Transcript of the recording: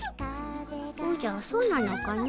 おじゃそうなのかの。